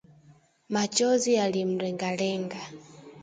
Machozi yalimlengalenga